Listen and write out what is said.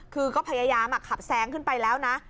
คือก็พยายามขับแซงขึ้นไปแล้วนะ